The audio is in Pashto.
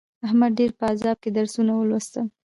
احمد ډېر په عذاب کې درسونه ولوستل.